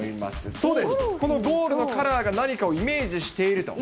そうです、このボールのカラーが何かをイメージしていると。